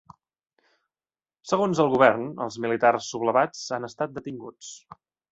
Segons el govern, els militars sublevats han estat detinguts.